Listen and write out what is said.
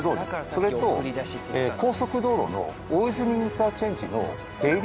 それと高速道路の大泉インターチェンジの出入り口